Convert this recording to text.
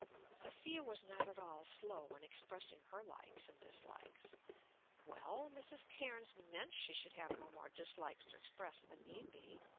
Sophia was not at all slow in expressing her likes and dislikes. Well, Mrs. Cairnes meant she should have no more dislikes to express than need be.